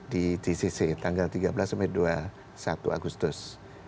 di tcc tanggal tiga belas sampai dua puluh satu agustus